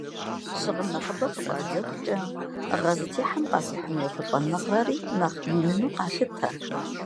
Щыгъын нэхъыбэ хыфӀадзэхукӀэ, гъэ зытехьам къахуихьыну ехъулӀэныгъэри нэхъ иныну къалъытэ.